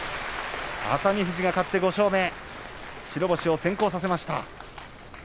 熱海富士が勝って５勝目白星を先行させました。